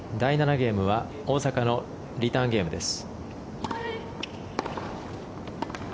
ゲームは大坂のリターンゲームです。